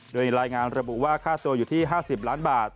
โดยรายงานระบุว่าค่าตัวอยู่ที่๕๐ล้านบาท